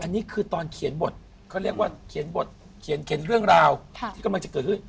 อันนี้คือตอนเขียนบทเขาเรียกว่าเขียนบทเขียนเรื่องราวที่กำลังจะเกิดขึ้น